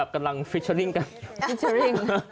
กำลังฟิเชอร์ริงกัน